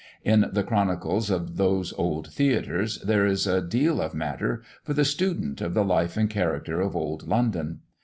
In the chronicles of those old theatres, there is a deal of matter for the student of the life and character of old London.